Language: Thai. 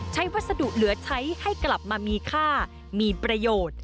วัสดุเหลือใช้ให้กลับมามีค่ามีประโยชน์